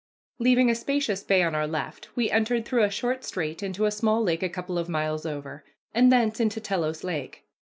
Leaving a spacious bay on our left, we entered through a short strait into a small lake a couple of miles over, and thence into Telos Lake.